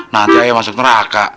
nanti ayah masuk neraka